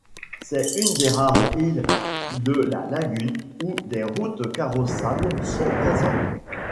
C’est une des rares îles de la lagune où des routes carrossables sont présentes.